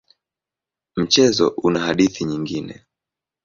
Mchezo una hadithi nyingine.